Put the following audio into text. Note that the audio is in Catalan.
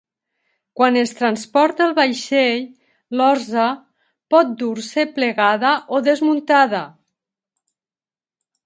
Quan es transporta el vaixell l'orsa pot dur-se plegada o desmuntada.